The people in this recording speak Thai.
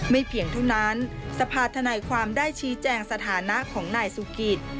เพียงเท่านั้นสภาธนายความได้ชี้แจงสถานะของนายสุกิต